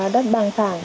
đất bằng thẳng